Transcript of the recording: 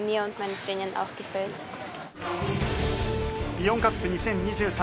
イオンカップ２０２３